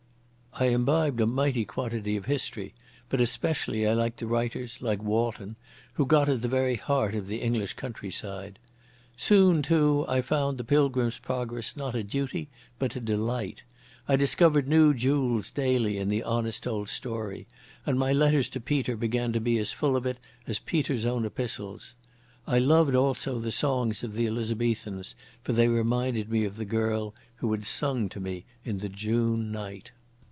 I imbibed a mighty quantity of history, but especially I liked the writers, like Walton, who got at the very heart of the English countryside. Soon, too, I found the Pilgrim's Progress not a duty but a delight. I discovered new jewels daily in the honest old story, and my letters to Peter began to be as full of it as Peter's own epistles. I loved, also, the songs of the Elizabethans, for they reminded me of the girl who had sung to me in the June night.